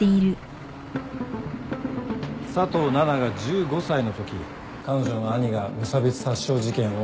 佐藤奈々が１５歳のとき彼女の兄が無差別殺傷事件を起こした。